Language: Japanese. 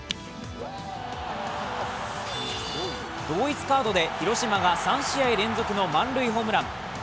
同一カードで広島が３試合連続の満塁ホームラン。